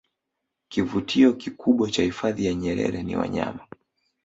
kivutio kikubwa cha hifadhi ya nyerer ni wanyama